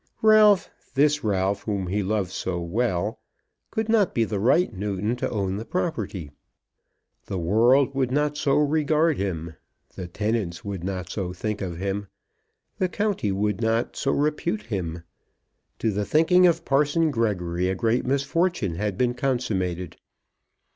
Ralph, this Ralph whom he loved so well, could not be the right Newton to own the property. The world would not so regard him. The tenants would not so think of him. The county would not so repute him. To the thinking of parson Gregory, a great misfortune had been consummated.